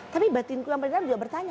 tapi batinku yang benar juga bertanya